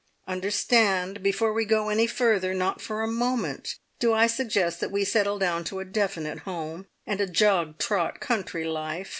"Understand, before we go any further not for a moment do I suggest that we settle down to a definite home, and a jog trot country life.